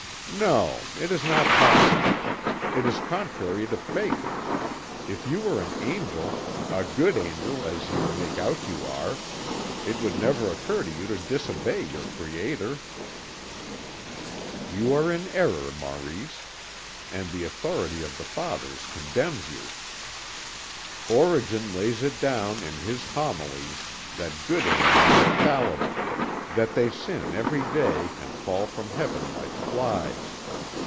"No! It is not possible. It is contrary to faith. If you were an angel, a good angel as you make out you are, it would never occur to you to disobey your Creator." "You are in error, Maurice, and the authority of the Fathers condemns you. Origen lays it down in his homilies that good angels are fallible, that they sin every day and fall from Heaven like flies.